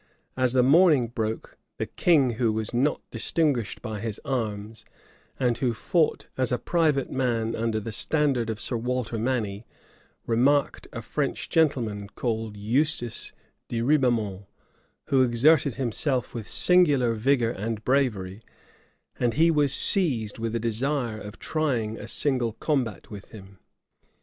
As the morning broke, the king, who was not distinguished by his arms, and who fought as a private man under the standard of Sir Walter Manny, remarked a French gentleman, called Eustace de Ribaumont, who exerted himself with singular vigor and bravery; and he was seized with a desire of trying a single combat with him.